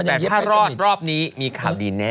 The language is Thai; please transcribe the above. แต่ถ้ารอดรอบนี้มีข่าวดีแน่